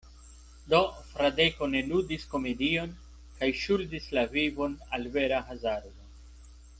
Do Fradeko ne ludis komedion, kaj ŝuldis la vivon al vera hazardo.